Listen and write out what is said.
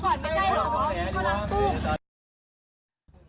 เขาแนะนำปุ้บ